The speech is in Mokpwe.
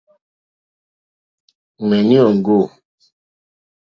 Ŋmèní òŋɡô.